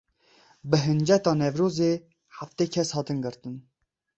Bi hinceta Newrozê heftê kes hatin girtin.